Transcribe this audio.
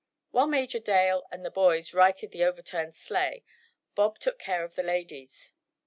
While Major Dale and the boys righted the overturned sleigh, Bob took care of the ladies.